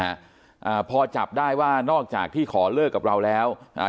อ่าพอจับได้ว่านอกจากที่ขอเลิกกับเราแล้วอ่า